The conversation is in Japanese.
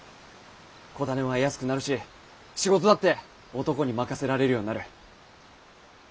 子種は得やすくなるし仕事だって男に任せられるようになる。